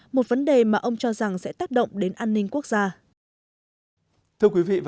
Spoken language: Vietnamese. một vấn đề mà ông cho rằng sẽ tác động đến an ninh quốc gia